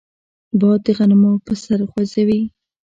باد د غنمو پسر خوځوي